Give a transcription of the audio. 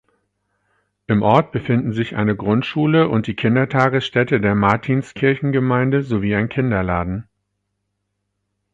Im Ort befinden sich eine Grundschule und die Kindertagesstätte der Martinskirchengemeinde sowie ein Kinderladen.